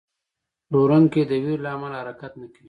پلورونکی د ویرې له امله حرکت نه کوي.